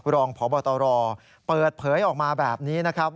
รองพบตรเปิดเผยออกมาแบบนี้นะครับ